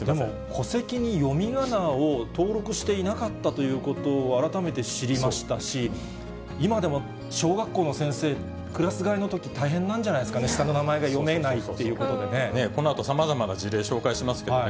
戸籍に読み仮名を登録していなかったということを改めて知りましたし、今でも、小学校の先生、クラス替えのとき、大変なんじゃないですかね、このあとさまざまな事例、紹介しますけどね。